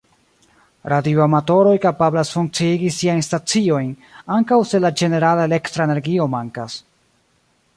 Radioamatoroj kapablas funkciigi siajn staciojn ankaŭ se la ĝenerala elektra energio mankas.